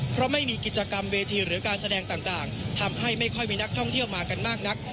เพราะไม่มีกิจกรรมเวทีหรือการแสดงต่างทำให้ไม่ค่อยมีนักท่องเที่ยวมากันมากนัก